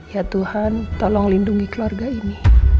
ya tuhan tolong lindungi keluarga ini